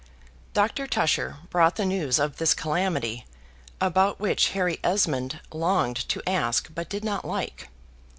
Doctor Tusher brought the news of this calamity, about which Harry Esmond longed to ask, but did not like.